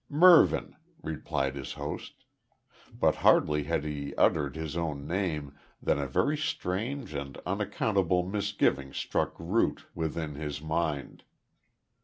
"Mervyn," supplied his host. But hardly had he uttered his own name, than a very strange and unaccountable misgiving struck root within his mind.